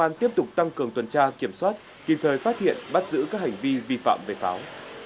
an tiếp tục tăng cường tuần tra kiểm soát kịp thời phát hiện bắt giữ các hành vi vi phạm về pháo